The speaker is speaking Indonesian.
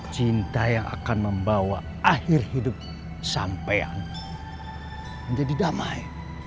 cinta yang akan membawa akhir hidup sampean menjadi damai